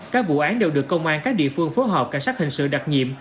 các vụ án đều được công an các địa phương phối hợp cảnh sát hình sự đặc nhiệm